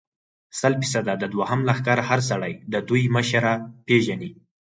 سل فیصده، د دوهم لښکر هر سړی د دوی مشره پېژني.